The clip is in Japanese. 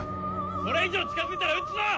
それ以上近づいたら撃つぞ！